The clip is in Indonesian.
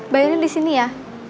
bayarnya di sini ya